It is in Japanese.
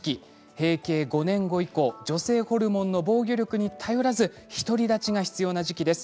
閉経５年後以降女性ホルモンの防御力に頼らずひとりだちが必要な時期です。